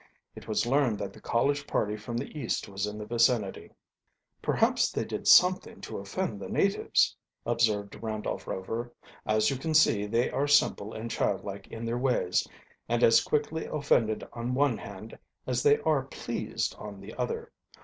It was learned that the college party from the East was in the vicinity. "Perhaps they did something to offend the natives," observed Randolph Rover. "As you can see, they are simple and childlike in their ways, and as quickly offended on one hand as they are pleased on the other.